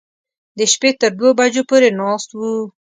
د شپې تر دوو بجو پورې ناست و.